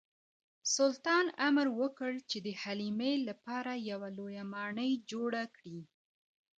سلطان امر وکړ چې د حلیمې لپاره یوه لویه ماڼۍ جوړه کړي.